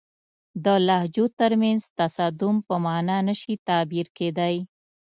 د لهجو ترمنځ تصادم په معنا نه شي تعبیر کېدای.